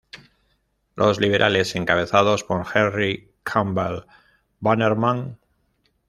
Los liberales, encabezados por Henry Campbell-Bannerman.